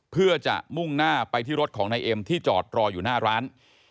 เพื่อจะมุ่งหน้าไปที่รถของนายเอ็มที่จอดรออยู่หน้าร้าน